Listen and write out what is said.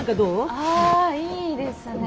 あいいですね。